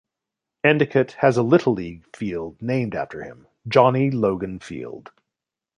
Endicott has a little league field named after him, Johnny Logan Field.